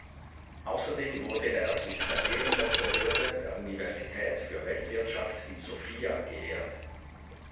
Außerdem wurde er mit der Ehrendoktorwürde der Universität für Weltwirtschaft in Sofia geehrt.